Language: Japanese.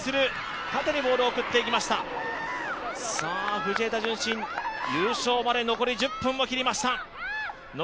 藤枝順心、優勝まで残り１０分を切りました。